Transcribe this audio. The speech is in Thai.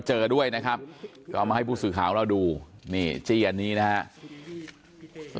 เจอด้วยนะครับก็เอามาให้ผู้สื่อข่าวของเราดูนี่จี้อันนี้นะครับ